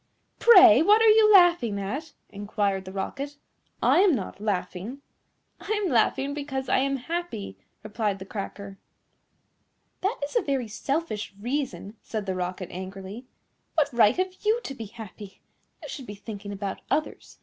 "Pray, what are you laughing at?" inquired the Rocket; "I am not laughing." "I am laughing because I am happy," replied the Cracker. "That is a very selfish reason," said the Rocket angrily. "What right have you to be happy? You should be thinking about others.